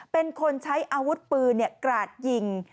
เป็นคนใช้อาวุธปืนกราดยิง